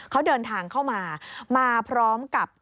เขาเดินทางเข้ามามาพร้อมกับ